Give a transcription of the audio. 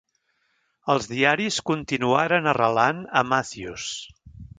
Els diaris continuaren arrelant a Matthews.